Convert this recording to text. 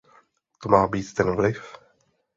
To má být ten vliv?